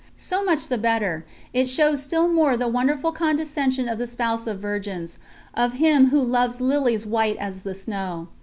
So much the better, it shows still more the wonderful condescension of the Spouse of Virgins of Him Who loves lilies white as the snow.